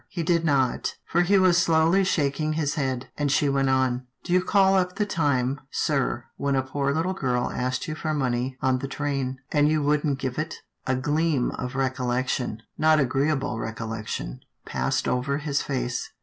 He did not, for he was slowly shaking his head, and she went on. " Do you call up the time, sir, when a poor little girl asked you for money on the train, and you wouldn't give it?" A gleam of recollection — not agreeable recol lection, passed over his face.